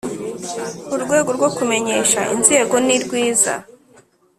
urwego rwo kumenyesha inzego nirwiza